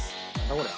これ。